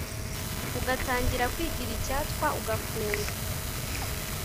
Ugatangira kwigiraIcyatwa ugafunga;